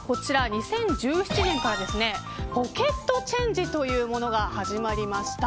２０１７年からポケットチェンジというものが始まりました。